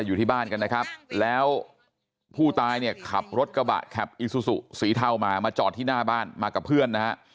อยู่ที่บ้านกันนะครับแล้วผู้ตายเนี่ยขับรถกระบะแข็บอีซูซูสีเทามามาจอดที่หน้าบ้านมากับเพื่อนนะฮะ